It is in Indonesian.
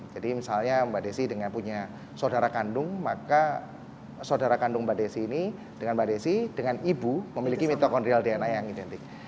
jadi misalnya mbak desi dengan punya saudara kandung maka saudara kandung mbak desi ini dengan mbak desi dengan ibu memiliki mitokondrial dna yang identik